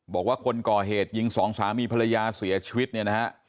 บอกว่าคนก่อเหตุยิงสองสามีภรรยาเสียชีวิตเนี่ยนะฮะ